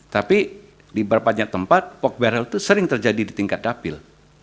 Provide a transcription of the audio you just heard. tapi di berbagai tempat pokberal itu sering terjadi di tingkat dapil